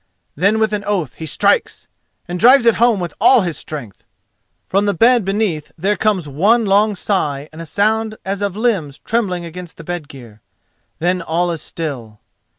Then with an oath he strikes—and drives it home with all his strength! From the bed beneath there comes one long sigh and a sound as of limbs trembling against the bed gear. Then all is still.